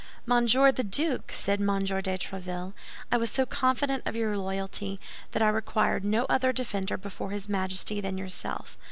"Monsieur the Duke," said M. de Tréville, "I was so confident of your loyalty that I required no other defender before his Majesty than yourself.